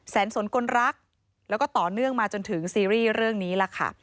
สนคนรักแล้วก็ต่อเนื่องมาจนถึงซีรีส์เรื่องนี้ล่ะค่ะ